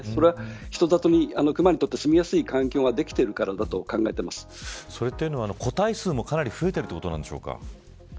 人里に、クマにとって住みやすい環境ができているからだとそれは個体数もかなり増えているということなんでしょうか。